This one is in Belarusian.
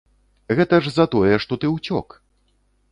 Гэта ж за тое, што ты ўцёк.